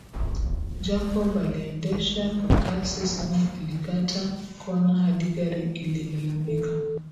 Jacob aliendesha kwa kasi sana alikata kona hadi gari ililalamika